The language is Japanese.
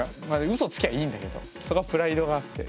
うそつきゃいいんだけどそこはプライドがあって。